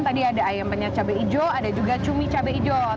tadi ada ayam penyat cabai hijau ada juga cumi cabai hijau